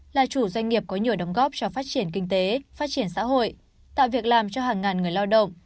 là chủ doanh nghiệp có nhiều đóng góp cho phát triển kinh tế phát triển xã hội tạo việc làm cho hàng ngàn người lao động